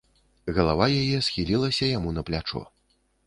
Галава яе схілілася яму на плячо.